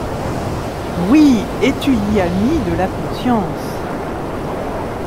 Oui ! et tu y a mis de la conscience…